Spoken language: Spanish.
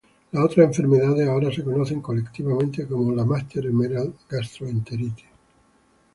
Las otras enfermedades ahora se conocen colectivamente como la máster emerald gastroenteritis.